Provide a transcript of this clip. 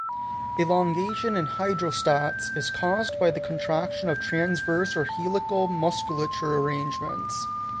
Elongation in hydrostats is caused by the contraction of transverse or helical musculature arrangements.